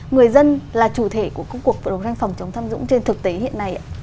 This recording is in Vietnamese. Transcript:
người dân là chủ thể của các cuộc đấu tranh phòng chống tham nhũng trên thực tế hiện nay ạ